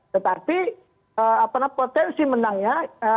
tetapi potensi menangnya